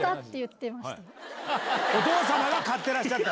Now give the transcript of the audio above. お父様が買ってらっしゃった？